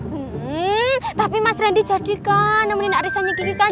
hmm tapi mas randy jadi kan nemenin arisannya gigi kan